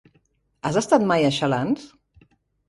Has estat mai a Xalans?